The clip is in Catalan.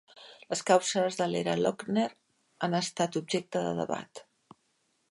Les causes de l'era "Lochner" han estat objecte de debat.